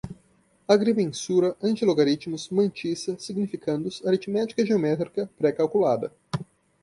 agrimensura, antilogaritmos, mantissa, significandos, aritmética-geométrica, pré-calculada